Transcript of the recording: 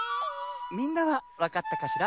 みんなはわかったかしら？